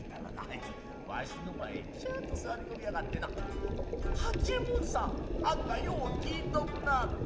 いつわしの前にチャッと座り込みやがってな「八右衛門さんあんたよう聞いとくんなはった。